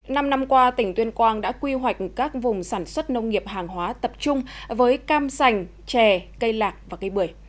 năm năm qua tỉnh tuyên quang đã quy hoạch các vùng sản xuất nông nghiệp hàng hóa tập trung với cam sành chè cây lạc và cây bưởi